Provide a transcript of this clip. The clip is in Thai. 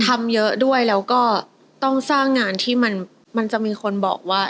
ทำเยอะด้วยแล้วก็ต้องสร้างงานที่มันจะมีคนบอกว่า